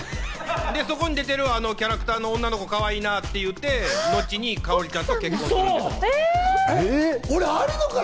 そこに出てるキャラクターの女の子かわいいなぁって言って、後に香織ち